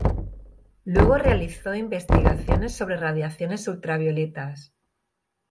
Luego realizó investigaciones sobre radiaciones ultravioletas.